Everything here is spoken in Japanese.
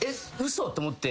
嘘？と思って。